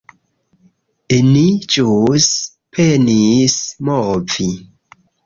Ni ĵus penis movi